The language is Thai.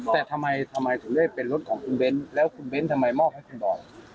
อ๋อแต่ทำไมถึงได้เป็นรถของคุณเบนส์แล้วคุณเบนส์ทำไมมอบให้คุณบอส